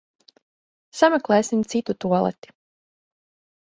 Sameklēsim citu tualeti.